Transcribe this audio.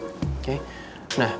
ialah puisi yang berupa